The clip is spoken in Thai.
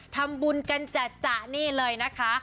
ทำบุญก็รกะแต่งนะคะ